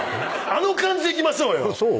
あの感じでいきましょうよそう？